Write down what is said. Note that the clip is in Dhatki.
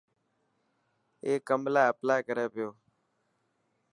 اي ڪم لاءِ اپلائي ڪري پيو.